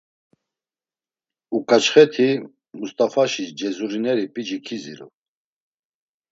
Uǩaçxeti Must̆afaşi cezurineri p̌ici kiziru…